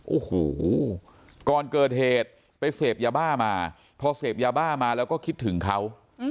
โอ้โหก่อนเกิดเหตุไปเสพยาบ้ามาพอเสพยาบ้ามาแล้วก็คิดถึงเขา